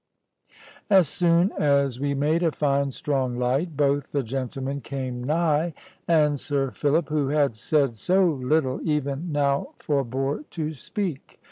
As soon as we made a fine strong light, both the gentlemen came nigh, and Sir Philip, who had said so little, even now forbore to speak.